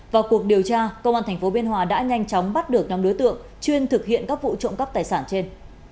vào cuộc điều tra công an thành phố biên hòa đã nhanh chóng bắt được năm đối tượng chuyên thực hiện các vụ trộm cắp tài sản trên